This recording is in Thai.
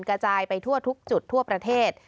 กระจายไปทั่วทุกจุดทั่วประเทศ